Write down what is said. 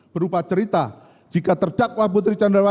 berupa cerita jika terdakwa putri candrawati